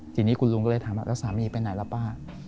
ทีนี้คุณลุงก็เลยถามว่าแล้วสามีไปไหนล่ะป้า